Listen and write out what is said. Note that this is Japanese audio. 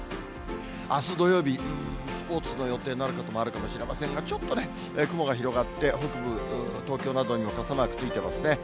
あす土曜日、うーん、スポーツの予定のある方もあるかもしれませんが、ちょっとね、雲が広がって、北部、東京などにも傘マークついてますね。